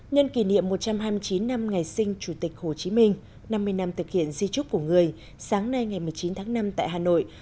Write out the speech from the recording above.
nhân kỷ niệm một trăm hai mươi chín năm ngày sinh chủ tịch hồ chí minh năm mươi năm thực hiện di trúc của người sáng nay ngày một mươi chín tháng năm tại hà nội